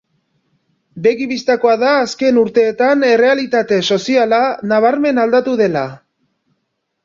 Begi bistakoa da azken urteetan errealitate soziala nabarmen aldatu dela.